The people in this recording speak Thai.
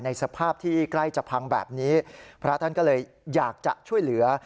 สภาพที่ใกล้จะพังแบบนี้พระท่านก็เลยอยากจะช่วยเหลือ